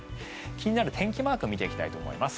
気になる天気マーク見ていきたいと思います。